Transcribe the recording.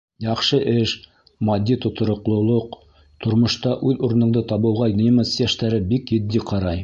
Яҡшы эш, матди тотороҡлолоҡ, тормошта үҙ урыныңды табыуға немец йәштәре бик етди ҡарай.